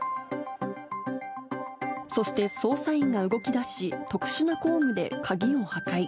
そして捜査員が動きだし、特殊な工具で鍵を破壊。